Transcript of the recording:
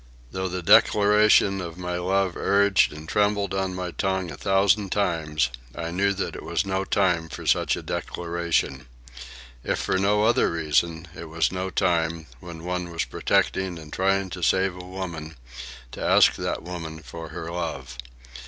Though the declaration of my love urged and trembled on my tongue a thousand times, I knew that it was no time for such a declaration. If for no other reason, it was no time, when one was protecting and trying to save a woman, to ask that woman for her love.